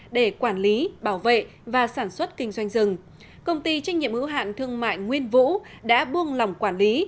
để quản lý bảo vệ và sản xuất kinh doanh rừng công ty trách nhiệm hữu hạn thương mại nguyên vũ đã buông lòng quản lý